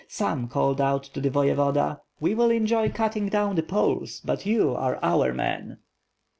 Some called out to the Voyevoda: "We will enjoy cutting down the Poles, but you are our man!"